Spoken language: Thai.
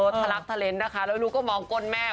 ทะลักทะเลนสนะคะแล้วลูกก็มองก้นแม่